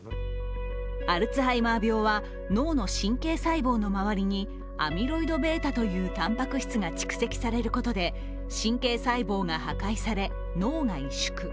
アルツハイマー病は脳の神経細胞の周りにアミロイドβというたんぱく質が蓄積されることで神経細胞が破壊され脳が萎縮。